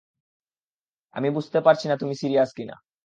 আমি বুঝতে পারছি না তুমি সিরিয়াস কিনা।